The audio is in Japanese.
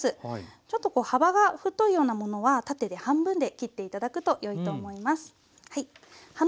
ちょっとこう幅が太いようなものは縦で半分で切って頂くとよいと思います。